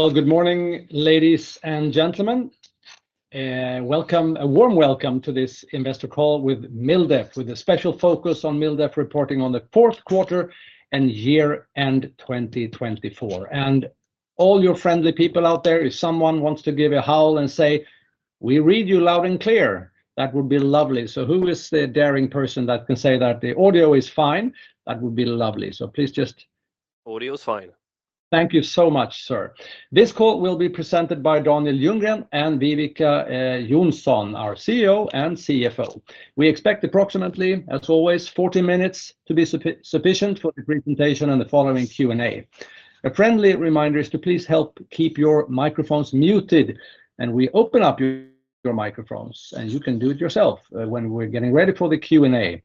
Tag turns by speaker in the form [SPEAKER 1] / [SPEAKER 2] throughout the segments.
[SPEAKER 1] Good morning, ladies and gentlemen. A warm welcome to this Investor Call with MilDef, with a special focus on MilDef reporting on the fourth quarter and year-end 2024. And all your friendly people out there, if someone wants to give a howl and say, "We read you loud and clear," that would be lovely. So who is the daring person that can say that the audio is fine? That would be lovely. So please just. Audio is fine. Thank you so much, sir. This call will be presented by Daniel Ljunggren and Viveca Johnsson, our CEO and CFO. We expect approximately, as always, 40 minutes to be sufficient for the presentation and the following Q&A. A friendly reminder is to please help keep your microphones muted, and we open up your microphones, and you can do it yourself when we're getting ready for the Q&A,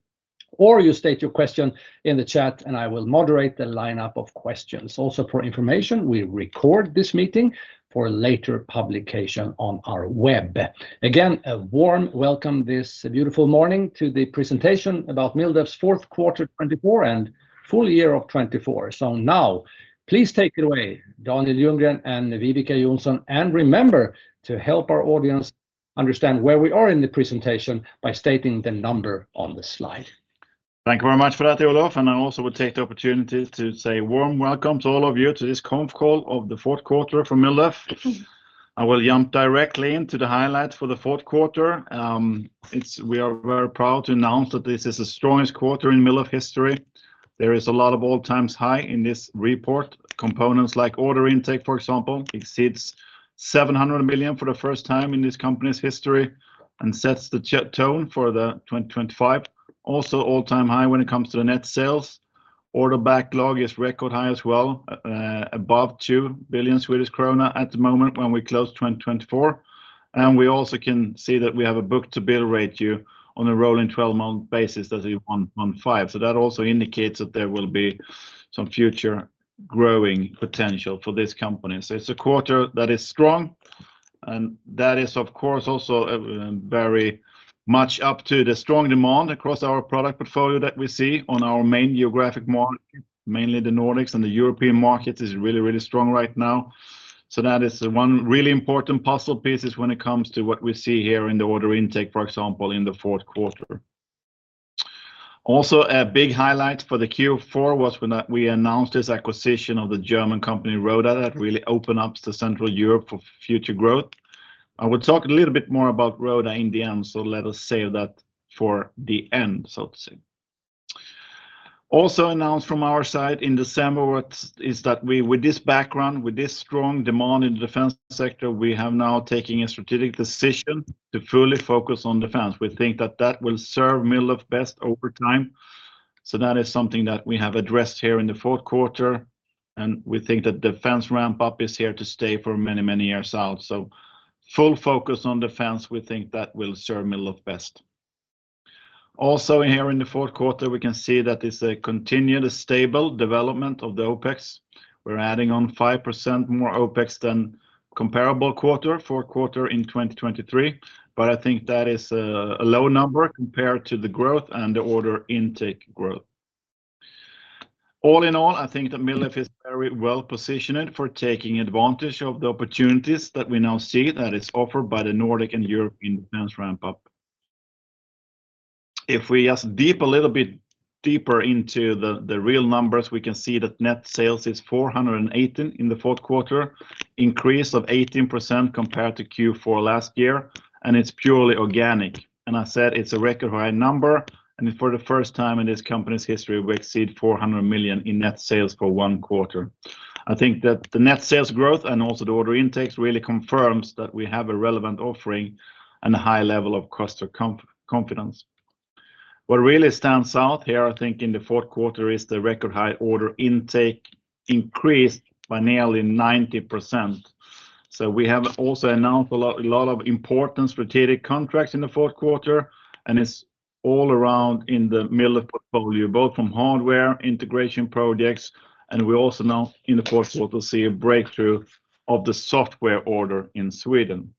[SPEAKER 1] or you state your question in the chat, and I will moderate the lineup of questions. Also, for information, we record this meeting for later publication on our web. Again, a warm welcome this beautiful morning to the presentation about MilDef's fourth quarter 2024 and full year of 2024, so now, please take it away, Daniel Ljunggren and Viveca Johnsson, and remember to help our audience understand where we are in the presentation by stating the number on the slide.
[SPEAKER 2] Thank you very much for that, Olof. And I also would take the opportunity to say a warm welcome to all of you to this conf-call of the fourth quarter for MilDef. I will jump directly into the highlights for the fourth quarter. We are very proud to announce that this is the strongest quarter in MilDef history. There is a lot of all-time high in this report. Components like order intake, for example, exceeds 700 million for the first time in this company's history and sets the tone for 2025. Also, all-time high when it comes to the net sales. Order backlog is record high as well, above 2 billion Swedish krona at the moment when we close 2024. And we also can see that we have a book-to-bill ratio on a rolling 12-month basis that is 1.5. That also indicates that there will be some future growing potential for this company. It's a quarter that is strong. And that is, of course, also very much up to the strong demand across our product portfolio that we see on our main geographic market, mainly the Nordics and the European markets is really, really strong right now. That is one really important puzzle piece when it comes to what we see here in the order intake, for example, in the fourth quarter. Also, a big highlight for the Q4 was when we announced this acquisition of the German company, roda that really opens up Central Europe for future growth. I will talk a little bit more about roda in the end, so let us save that for the end, so to say. Also announced from our side in December is that with this background, with this strong demand in the defense sector, we have now taken a strategic decision to fully focus on defense. We think that that will serve MilDef best over time, so that is something that we have addressed here in the fourth quarter. We think that defense ramp-up is here to stay for many, many years out, so full focus on defense. We think that will serve MilDef best. Also, here in the fourth quarter, we can see that it's a continued stable development of the OpEx. We're adding on 5% more OpEx than comparable quarter, fourth quarter in 2023. I think that is a low number compared to the growth and the order intake growth. All in all, I think that MilDef is very well positioned for taking advantage of the opportunities that we now see that is offered by the Nordic and European defense ramp-up. If we just dip a little bit deeper into the real numbers, we can see that net sales is 418 in the fourth quarter, increase of 18% compared to Q4 last year. And it's purely organic. And I said it's a record high number. And for the first time in this company's history, we exceed 400 million in net sales for one quarter. I think that the net sales growth and also the order intake really confirms that we have a relevant offering and a high level of customer confidence. What really stands out here, I think in the fourth quarter, is the record high order intake increased by nearly 90%. So we have also announced a lot of important strategic contracts in the fourth quarter. And it's all around in the MilDef portfolio, both from hardware integration projects. And we also now in the fourth quarter see a breakthrough of the software order in Sweden.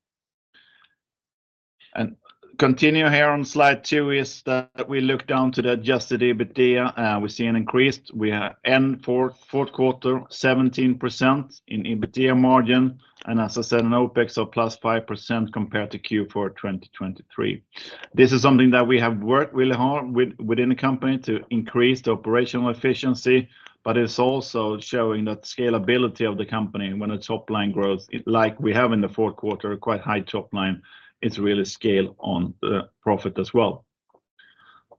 [SPEAKER 2] And continue here on slide two is that we look down to the adjusted EBITDA. We see an increase. We end fourth quarter 17% in EBITDA margin. And as I said, an OpEx of +5% compared to Q4 2023. This is something that we have worked really hard within the company to increase the operational efficiency. But it's also showing that scalability of the company when the top line growth, like we have in the fourth quarter, quite high top line, it's really scaled on the profit as well.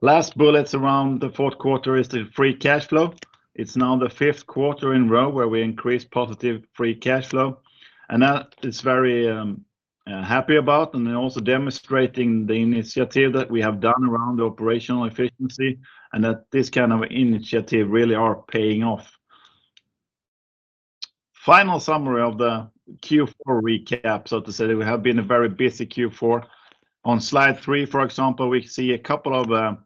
[SPEAKER 2] Last bullets around the fourth quarter is the free cash flow. It's now the fifth quarter in a row where we increased positive free cash flow. And that is very happy about. And then also demonstrating the initiative that we have done around the operational efficiency and that this kind of initiative really is paying off. Final summary of the Q4 recap, so to say. We have been a very busy Q4. On slide three, for example, we see a couple of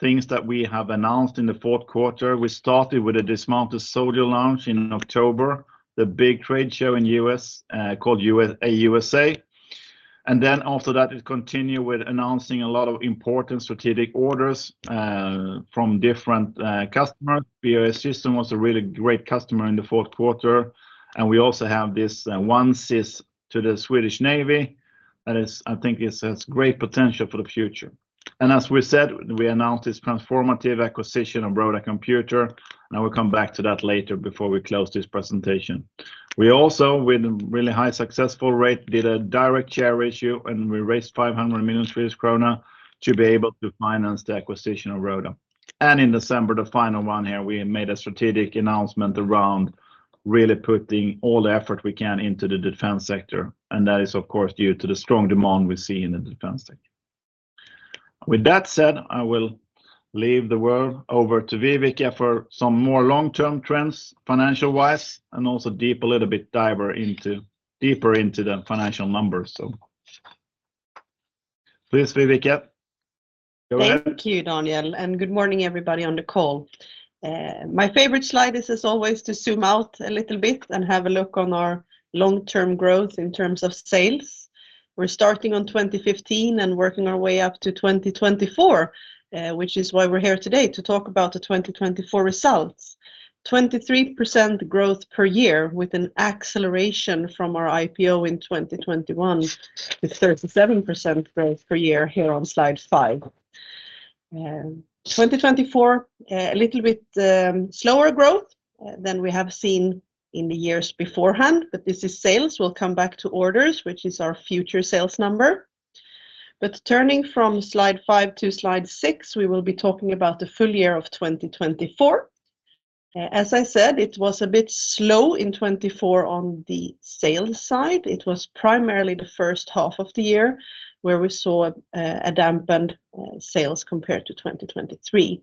[SPEAKER 2] things that we have announced in the fourth quarter. We started with a Dismounted Soldier launch in October, the big trade show in the U.S. called AUSA. And then after that, we continue with announcing a lot of important strategic orders from different customers. BAE Systems was a really great customer in the fourth quarter. And we also have this OneCIS to the Swedish Navy that I think has great potential for the future. As we said, we announced this transformative acquisition of roda computer. And I will come back to that later before we close this presentation. We also, with a really high successful rate, did a direct share issue, and we raised 500 million Swedish krona to be able to finance the acquisition of roda. And in December, the final one here, we made a strategic announcement around really putting all the effort we can into the defense sector. And that is, of course, due to the strong demand we see in the defense sector. With that said, I will leave the word over to Viveca for some more long-term trends financial-wise and also deep a little bit deeper into the financial numbers. So please, Viveca.
[SPEAKER 3] Thank you, Daniel, and good morning, everybody on the call. My favorite slide is, as always, to zoom out a little bit and have a look on our long-term growth in terms of sales. We're starting on 2015 and working our way up to 2024, which is why we're here today to talk about the 2024 results. 23% growth per year with an acceleration from our IPO in 2021 with 37% growth per year here on slide five. 2024, a little bit slower growth than we have seen in the years beforehand, but this is sales. We'll come back to orders, which is our future sales number, but turning from slide five to slide six, we will be talking about the full year of 2024. As I said, it was a bit slow in 2024 on the sales side. It was primarily the first half of the year where we saw dampened sales compared to 2023.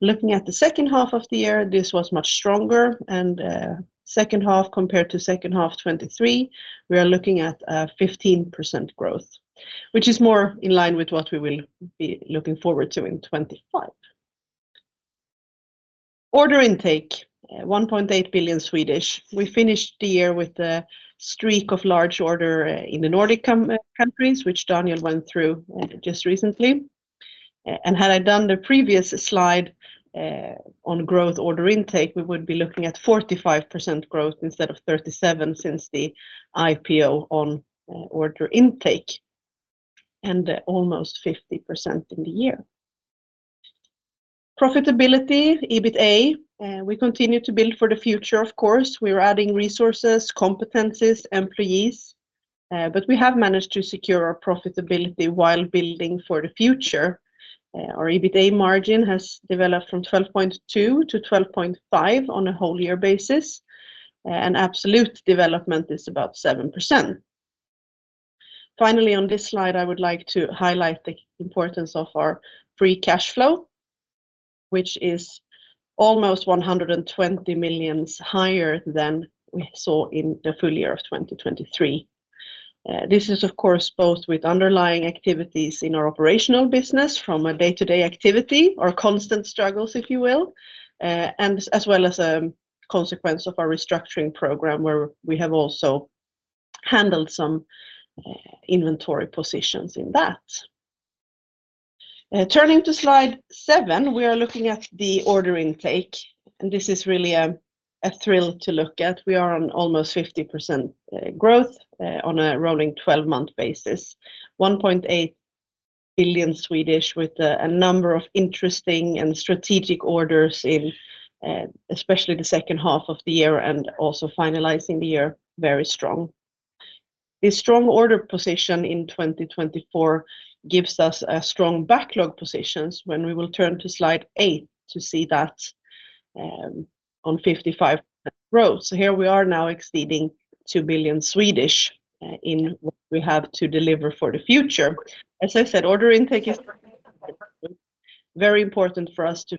[SPEAKER 3] Looking at the second half of the year, this was much stronger. Second half compared to second half 2023, we are looking at 15% growth, which is more in line with what we will be looking forward to in 2025. Order intake: 1.8 billion. We finished the year with a streak of large order in the Nordic countries, which Daniel went through just recently. Had I done the previous slide on growth order intake, we would be looking at 45% growth instead of 37% since the IPO on order intake. Almost 50% in the year. Profitability, EBITA. We continue to build for the future, of course. We are adding resources, competencies, employees. But we have managed to secure our profitability while building for the future. Our EBITA margin has developed from 12.2% to 12.5% on a whole year basis, and absolute development is about 7%. Finally, on this slide, I would like to highlight the importance of our free cash flow, which is almost 120 million higher than we saw in the full year of 2023. This is, of course, both with underlying activities in our operational business from a day-to-day activity, our constant struggles, if you will, and as well as a consequence of our restructuring program where we have also handled some inventory positions in that. Turning to slide seven, we are looking at the order intake, and this is really a thrill to look at. We are on almost 50% growth on a rolling 12-month basis, 1.8 billion with a number of interesting and strategic orders in especially the second half of the year and also finalizing the year very strong. This strong order position in 2024 gives us a strong backlog position when we will turn to slide eight to see that on 55% growth, so here we are now exceeding 2 billion in what we have to deliver for the future. As I said, order intake is very important for us to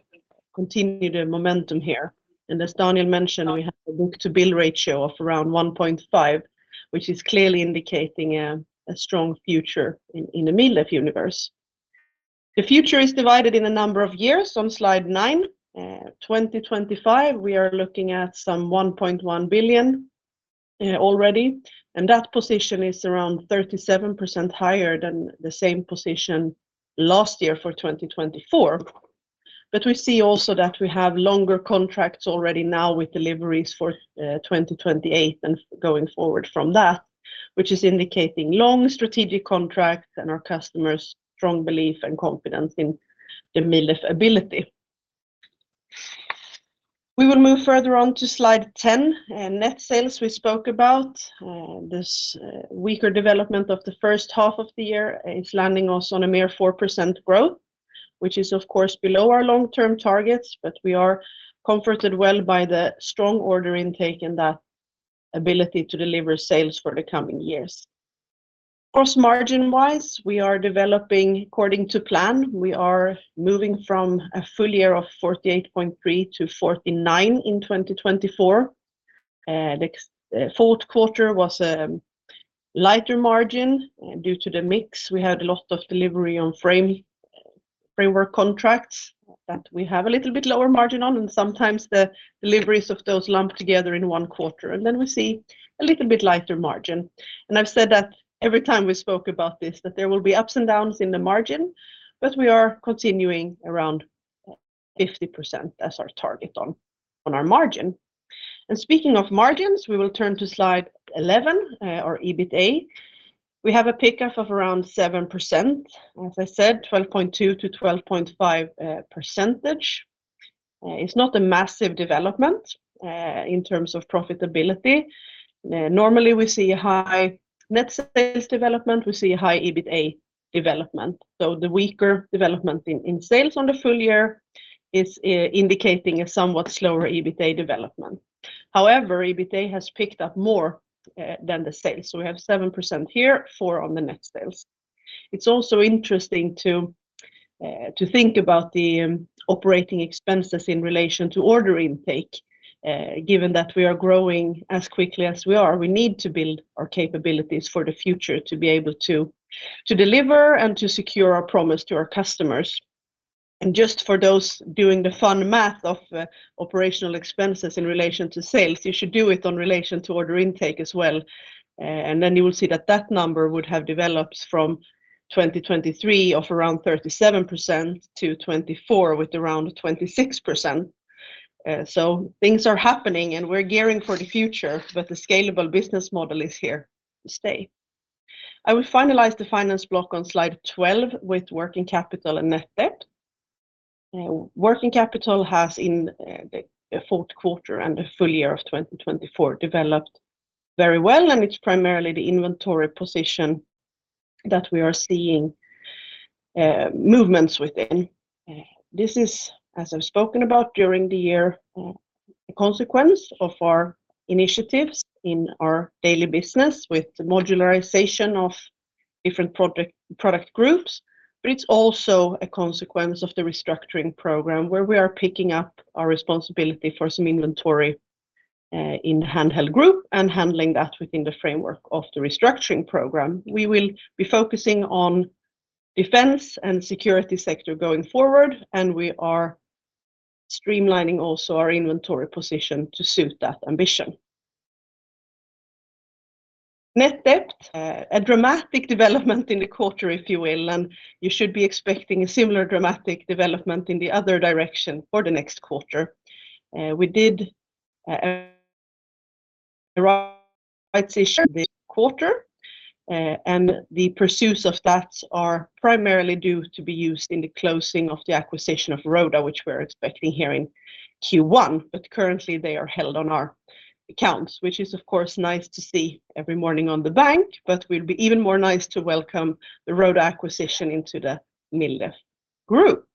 [SPEAKER 3] continue the momentum here, and as Daniel mentioned, we have a book-to-bill ratio of around 1.5, which is clearly indicating a strong future in the MilDef universe. The future is divided in a number of years on slide nine. In 2025, we are looking at some 1.1 billion already, and that position is around 37% higher than the same position last year for 2024. But we see also that we have longer contracts already now with deliveries for 2028 and going forward from that, which is indicating long strategic contracts and our customers' strong belief and confidence in the MilDef ability. We will move further on to slide 10. Net sales we spoke about. This weaker development of the first half of the year is landing us on a mere 4% growth, which is, of course, below our long-term targets. But we are comforted well by the strong order intake and that ability to deliver sales for the coming years. Gross-margin-wise, we are developing according to plan. We are moving from a full year of 48.3%-49% in 2024. The fourth quarter was a lighter margin due to the mix. We had a lot of delivery on framework contracts that we have a little bit lower margin on. And sometimes the deliveries of those lump together in one quarter. And then we see a little bit lighter margin. And I've said that every time we spoke about this, that there will be ups and downs in the margin. But we are continuing around 50% as our target on our margin. And speaking of margins, we will turn to slide 11, our EBITA. We have a pickup of around 7%. As I said, 12.2%-12.5%. It's not a massive development in terms of profitability. Normally, we see a high net sales development. We see a high EBITA development. So the weaker development in sales on the full year is indicating a somewhat slower EBITA development. However, EBITA has picked up more than the sales. So we have 7% here, 4% on the net sales. It's also interesting to think about the operating expenses in relation to order intake. Given that we are growing as quickly as we are, we need to build our capabilities for the future to be able to deliver and to secure our promise to our customers. And just for those doing the fun math of operational expenses in relation to sales, you should do it in relation to order intake as well. And then you will see that that number would have developed from 2023 of around 37% to 2024 with around 26%. So things are happening and we're gearing for the future. But the scalable business model is here to stay. I will finalize the finance block on slide 12 with working capital and net debt. Working capital has in the fourth quarter and the full year of 2024 developed very well. It's primarily the inventory position that we are seeing movements within. This is, as I've spoken about during the year, a consequence of our initiatives in our daily business with the modularization of different product groups. But it's also a consequence of the restructuring program where we are picking up our responsibility for some inventory in the Handheld Group and handling that within the framework of the restructuring program. We will be focusing on defense and security sector going forward. And we are streamlining also our inventory position to suit that ambition. Net debt. A dramatic development in the quarter, if you will. And you should be expecting a similar dramatic development in the other direction for the next quarter. We did a rights issue this quarter. And the proceeds of that are primarily due to be used in the closing of the acquisition of roda, which we're expecting here in Q1. But currently, they are held on our accounts, which is, of course, nice to see every morning on the bank. But we'll be even more nice to welcome the roda acquisition into the MilDef Group.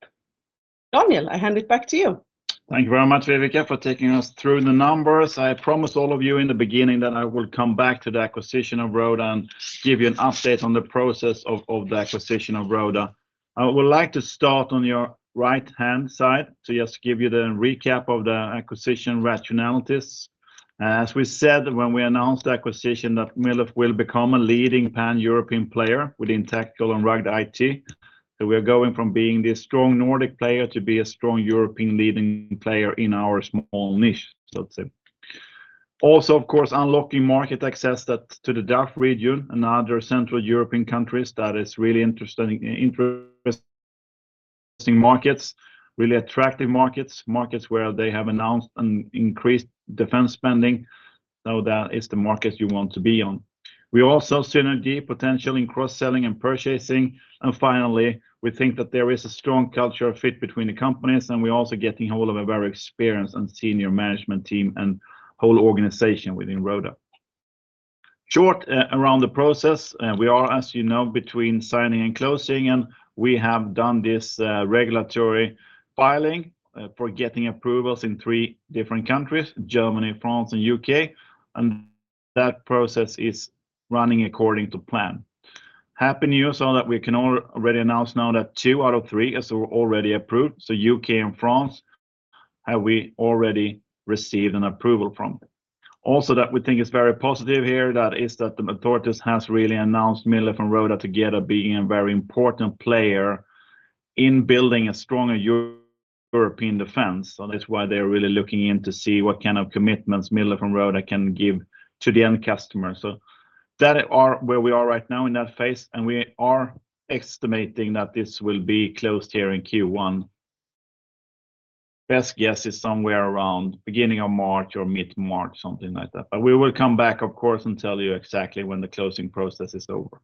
[SPEAKER 3] Daniel, I hand it back to you.
[SPEAKER 2] Thank you very much, Viveca, for taking us through the numbers. I promised all of you in the beginning that I will come back to the acquisition of roda and give you an update on the process of the acquisition of roda. I would like to start on your right-hand side to just give you the recap of the acquisition rationalities. As we said when we announced the acquisition, that MilDef will become a leading pan-European player within tactical and rugged IT. So we are going from being this strong Nordic player to be a strong European leading player in our small niche, so to say. Also, of course, unlocking market access to the DACH region and other Central European countries. That is really interesting markets, really attractive markets, markets where they have announced an increased defense spending. So that is the market you want to be on. We also see energy potential in cross-selling and purchasing. And finally, we think that there is a strong culture fit between the companies. And we're also getting hold of a very experienced and senior management team and whole organization within roda. Short around the process, we are, as you know, between signing and closing. And we have done this regulatory filing for getting approvals in three different countries: Germany, France, and the U.K. And that process is running according to plan. Happy news that we can already announce now that two out of three are already approved. So U.K. and France have we already received an approval from. Also that we think is very positive here is that the authorities have really announced MilDef and roda together being a very important player in building a stronger European defense. So that's why they're really looking into seeing what kind of commitments MilDef and roda can give to the end customers. So that is where we are right now in that phase. And we are estimating that this will be closed here in Q1. Best guess is somewhere around beginning of March or mid-March, something like that. But we will come back, of course, and tell you exactly when the closing process is over.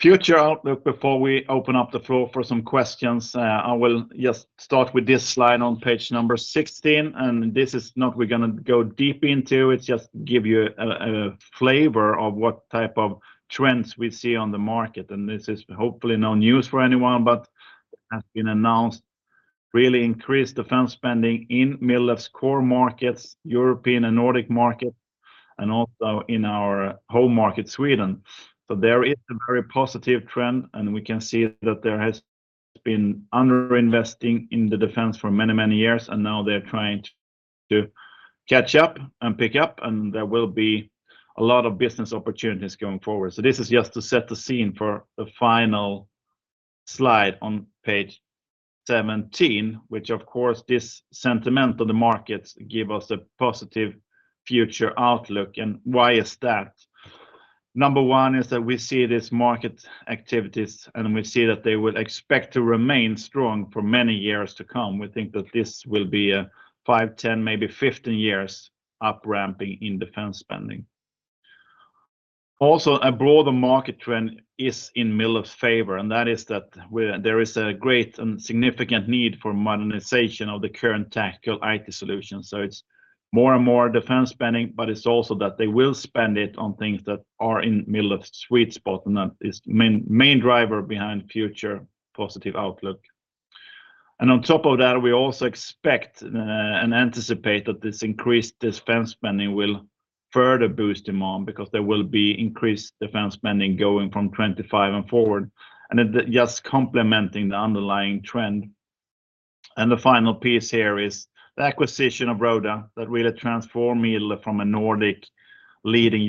[SPEAKER 2] Future outlook before we open up the floor for some questions. I will just start with this slide on page number 16. And this is not. We're going to go deep into. It's just to give you a flavor of what type of trends we see on the market. This is hopefully no news for anyone, but it has been announced really increased defense spending in MilDef's core markets, European and Nordic markets, and also in our home market, Sweden. So there is a very positive trend. And we can see that there has been underinvesting in the defense for many, many years. And now they're trying to catch up and pick up. And there will be a lot of business opportunities going forward. So this is just to set the scene for the final slide on page 17, which, of course, this sentiment of the markets gives us a positive future outlook. And why is that? Number one is that we see these market activities, and we see that they would expect to remain strong for many years to come. We think that this will be a five, 10, maybe 15 years up-ramping in defense spending. Also, a broader market trend is in Mildef's favor, and that is that there is a great and significant need for modernization of the current tactical IT solutions, so it's more and more defense spending, but it's also that they will spend it on things that are in MilDef's sweet spot, and that is the main driver behind future positive outlook, and on top of that, we also expect and anticipate that this increased defense spending will further boost demand because there will be increased defense spending going from 25 and forward, and it's just complementing the underlying trend, and the final piece here is the acquisition of roda that really transformed MilDef from a Nordic leading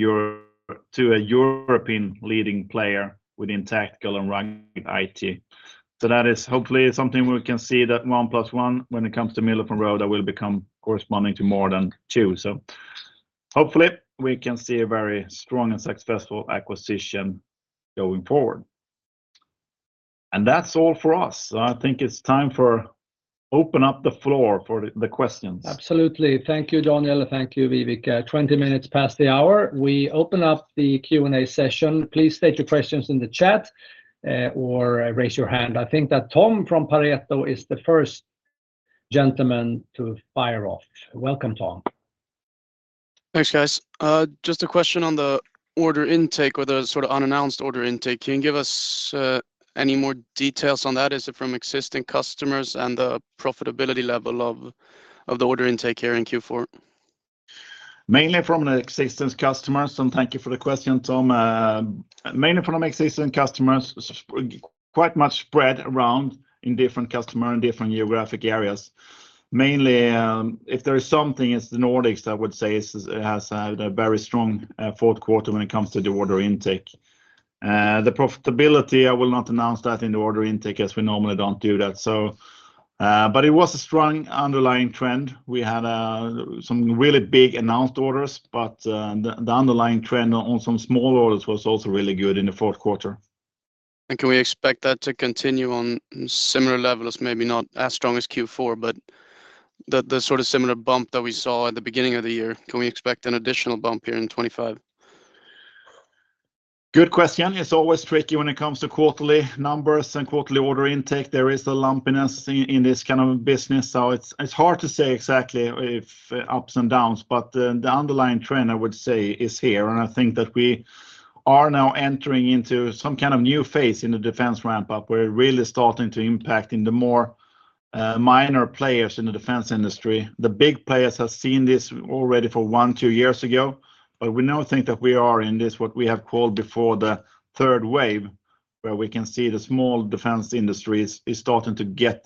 [SPEAKER 2] to a European leading player within tactical and rugged IT. So that is hopefully something we can see that one plus one when it comes to MilDef and roda will become corresponding to more than two. So hopefully we can see a very strong and successful acquisition going forward. And that's all for us. I think it's time to open up the floor for the questions.
[SPEAKER 1] Absolutely. Thank you, Daniel. Thank you, Viveca. 20 minutes past the hour. We open up the Q&A session. Please state your questions in the chat or raise your hand. I think that Tom from Pareto is the first gentleman to fire off. Welcome, Tom.
[SPEAKER 4] Thanks, guys. Just a question on the order intake or the sort of unannounced order intake. Can you give us any more details on that? Is it from existing customers and the profitability level of the order intake here in Q4?
[SPEAKER 2] Mainly from existing customers, and thank you for the question, Tom. Mainly from existing customers. Quite much spread around in different customers in different geographic areas. Mainly, if there is something in the Nordics, I would say it has had a very strong fourth quarter when it comes to the order intake. The profitability, I will not announce that in the order intake as we normally don't do that, but it was a strong underlying trend. We had some really big announced orders, but the underlying trend on some small orders was also really good in the fourth quarter.
[SPEAKER 4] And can we expect that to continue on similar levels, maybe not as strong as Q4, but the sort of similar bump that we saw at the beginning of the year? Can we expect an additional bump here in 2025?
[SPEAKER 2] Good question. It's always tricky when it comes to quarterly numbers and quarterly order intake. There is a lumpiness in this kind of business, so it's hard to say exactly if ups and downs, but the underlying trend, I would say, is here, and I think that we are now entering into some kind of new phase in the defense ramp-up where it really is starting to impact in the more minor players in the defense industry. The big players have seen this already for one, two years ago, but we now think that we are in this, what we have called before, the third wave, where we can see the small defense industries are starting to get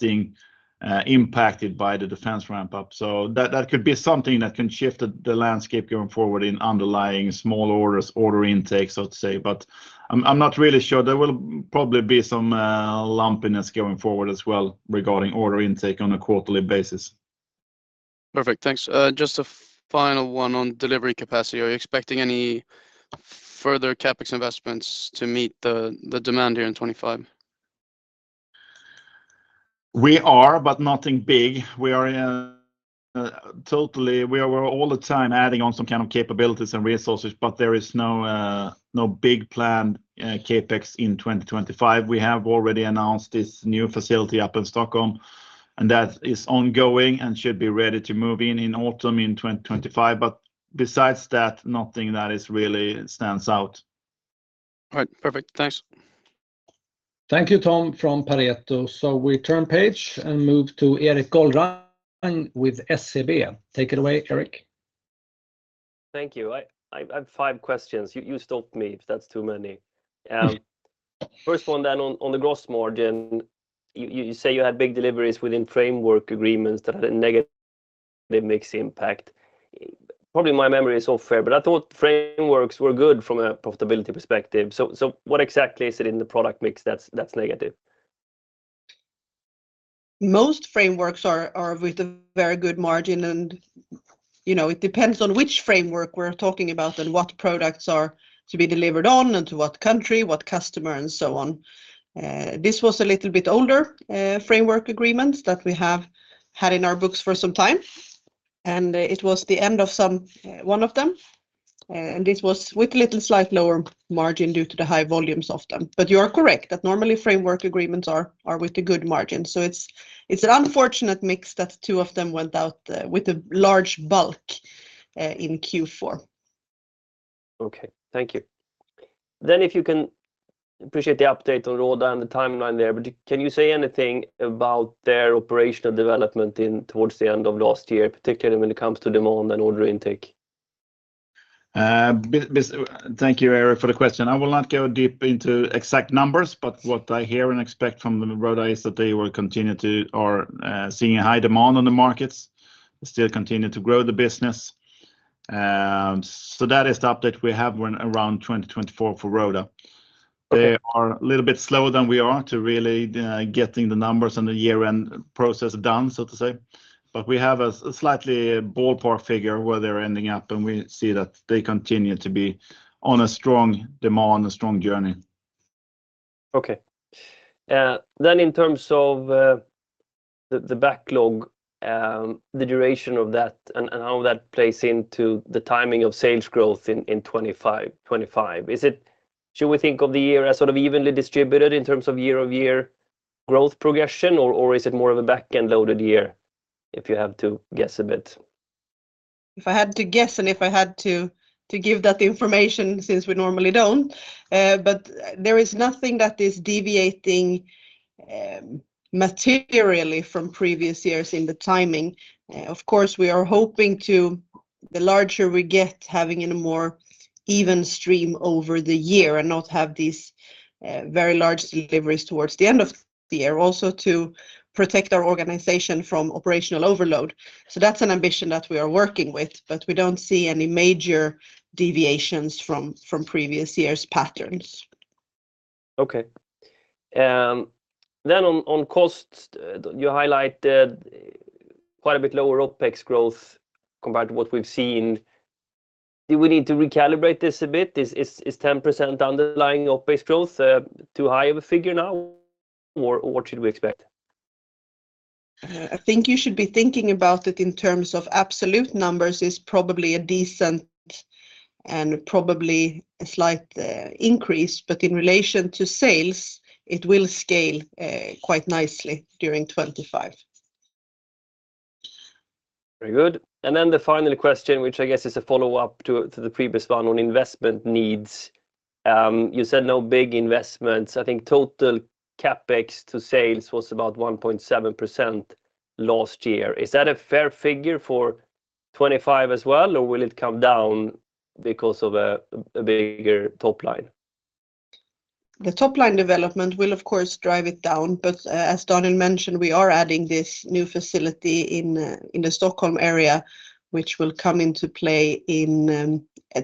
[SPEAKER 2] impacted by the defense ramp-up, so that could be something that can shift the landscape going forward in underlying small orders, order intakes, so to say, but I'm not really sure. There will probably be some lumpiness going forward as well regarding order intake on a quarterly basis.
[SPEAKER 4] Perfect. Thanks. Just a final one on delivery capacity. Are you expecting any further CapEx investments to meet the demand here in 2025?
[SPEAKER 2] We are, but nothing big. We are totally all the time adding on some kind of capabilities and resources. But there is no big plan CapEx in 2025. We have already announced this new facility up in Stockholm. And that is ongoing and should be ready to move in in autumn in 2025. But besides that, nothing that really stands out.
[SPEAKER 4] All right. Perfect. Thanks.
[SPEAKER 1] Thank you, Tom, from Pareto. So we turn page and move to Erik Golrang with SEB. Take it away, Erik.
[SPEAKER 5] Thank you. I have five questions. You stop me if that's too many. First one then on the gross margin. You say you had big deliveries within framework agreements that had a negative mix impact. Probably my memory is off, I fear, but I thought frameworks were good from a profitability perspective. So what exactly is it in the product mix that's negative?
[SPEAKER 3] Most frameworks are with a very good margin, and it depends on which framework we're talking about and what products are to be delivered on and to what country, what customer, and so on. This was a little bit older framework agreement that we have had in our books for some time, and it was the end of one of them, and this was with a little slight lower margin due to the high volumes of them. But you are correct that normally framework agreements are with a good margin, so it's an unfortunate mix that two of them went out with a large bulk in Q4.
[SPEAKER 5] Okay. Thank you. Then if you can appreciate the update on roda and the timeline there, but can you say anything about their operational development towards the end of last year, particularly when it comes to demand and order intake?
[SPEAKER 2] Thank you, Erik, for the question. I will not go deep into exact numbers, but what I hear and expect from roda is that they will continue to see high demand on the markets, still continue to grow the business. So that is the update we have around 2024 for roda. They are a little bit slower than we are to really get the numbers and the year-end process done, so to say. But we have a slightly ballpark figure where they're ending up, and we see that they continue to be on a strong demand, a strong journey.
[SPEAKER 5] Okay. Then in terms of the backlog, the duration of that and how that plays into the timing of sales growth in 2025, should we think of the year as sort of evenly distributed in terms of year-over-year growth progression, or is it more of a back-end loaded year if you have to guess a bit?
[SPEAKER 3] If I had to guess and if I had to give that information since we normally don't, but there is nothing that is deviating materially from previous years in the timing. Of course, we are hoping to, the larger we get, having a more even stream over the year and not have these very large deliveries towards the end of the year, also to protect our organization from operational overload. So that's an ambition that we are working with, but we don't see any major deviations from previous years' patterns.
[SPEAKER 5] Okay. Then on costs, you highlighted quite a bit lower OpEx growth compared to what we've seen. Do we need to recalibrate this a bit? Is 10% underlying OpEx growth too high of a figure now, or what should we expect?
[SPEAKER 3] I think you should be thinking about it in terms of absolute numbers. It is probably a decent, and probably a slight increase. But in relation to sales, it will scale quite nicely during 2025.
[SPEAKER 5] Very good. And then the final question, which I guess is a follow-up to the previous one on investment needs. You said no big investments. I think total CapEx to sales was about 1.7% last year. Is that a fair figure for 2025 as well, or will it come down because of a bigger top line?
[SPEAKER 3] The top line development will, of course, drive it down. But as Daniel mentioned, we are adding this new facility in the Stockholm area, which will come into play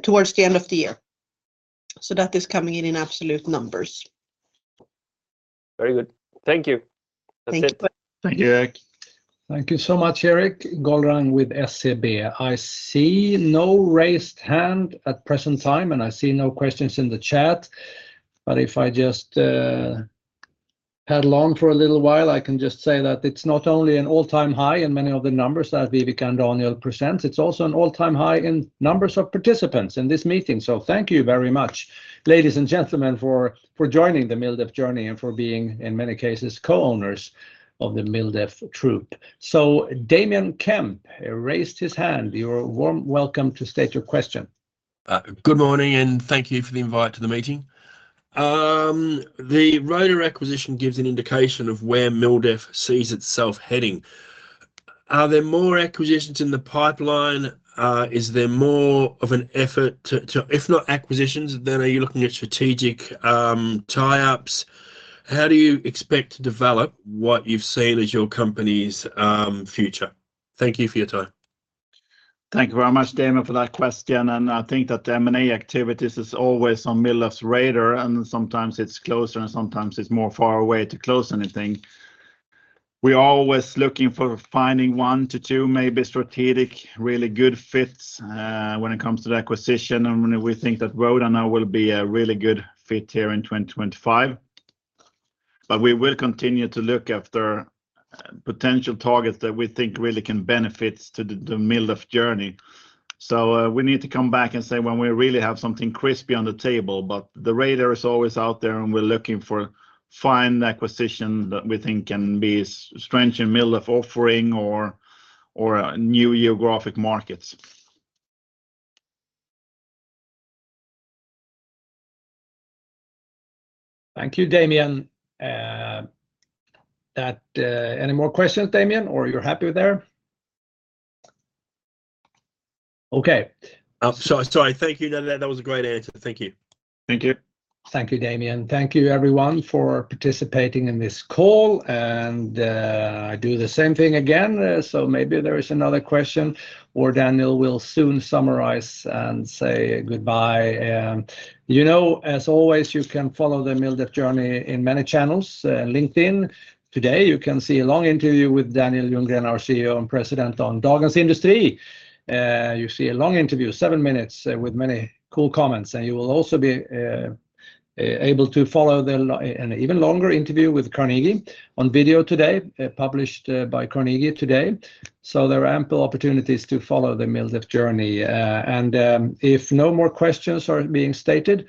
[SPEAKER 3] towards the end of the year. So that is coming in in absolute numbers.
[SPEAKER 5] Very good. Thank you. That's it.
[SPEAKER 2] Thank you, Erik.
[SPEAKER 1] Thank you so much, Erik Golrang with SEB. I see no raised hand at present time, and I see no questions in the chat. But if I just carry on for a little while, I can just say that it's not only an all-time high in many of the numbers that Viveca and Daniel present, it's also an all-time high in number of participants in this meeting. So thank you very much, ladies and gentlemen, for joining the MilDef journey and for being, in many cases, co-owners of the MilDef troupe. So Damian Kemp raised his hand. You're warmly welcome to state your question.
[SPEAKER 6] Good morning, and thank you for the invite to the meeting. The roda acquisition gives an indication of where MilDef sees itself heading. Are there more acquisitions in the pipeline? Is there more of an effort to, if not acquisitions, then are you looking at strategic tie-ups? How do you expect to develop what you've seen as your company's future? Thank you for your time.
[SPEAKER 2] Thank you very much, Damian, for that question. And I think that M&A activities is always on MilDef's radar. And sometimes it's closer, and sometimes it's more far away to close anything. We are always looking for finding one to two, maybe strategic, really good fits when it comes to the acquisition. And we think that roda now will be a really good fit here in 2025. But we will continue to look after potential targets that we think really can benefit to the MilDef journey. So we need to come back and say when we really have something crispy on the table. But the radar is always out there, and we're looking for fine acquisitions that we think can be strengthened MilDef offering or new geographic markets.
[SPEAKER 1] Thank you, Damian. Any more questions, Damian, or you're happy there? Okay.
[SPEAKER 6] Sorry. Thank you. That was a great answer. Thank you.
[SPEAKER 2] Thank you.
[SPEAKER 1] Thank you, Damian. Thank you, everyone, for participating in this call, and I do the same thing again, so maybe there is another question, or Daniel will soon summarize and say goodbye. As always, you can follow the MilDef journey in many channels and LinkedIn. Today, you can see a long interview with Daniel Ljunggren, our CEO and President on Dagens Industri. You see a long interview, seven minutes, with many cool comments, and you will also be able to follow an even longer interview with Carnegie on video today, published by Carnegie today, so there are ample opportunities to follow the MilDef journey, and if no more questions are being stated,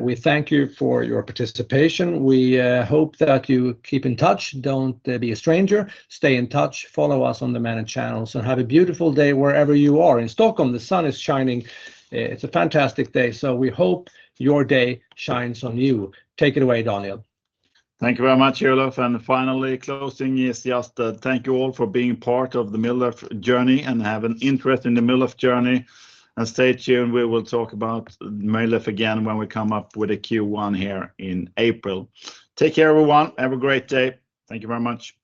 [SPEAKER 1] we thank you for your participation. We hope that you keep in touch. Don't be a stranger. Stay in touch. Follow us on the many channels, and have a beautiful day wherever you are. In Stockholm, the sun is shining. It's a fantastic day. So we hope your day shines on you. Take it away, Daniel.
[SPEAKER 2] Thank you very much, Olof. And finally, closing is just to thank you all for being part of the MilDef journey and have an interest in the MilDef journey. And stay tuned. We will talk about MilDef again when we come up with a Q1 here in April. Take care, everyone. Have a great day. Thank you very much.